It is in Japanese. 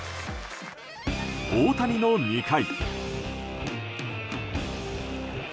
大谷の２回。